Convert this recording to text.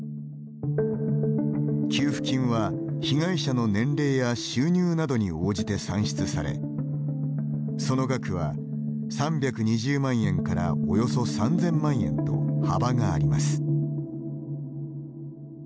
給付金は、被害者の年齢や収入などに応じて算出されその額は３２０万円からおよそ３０００万円と幅があります。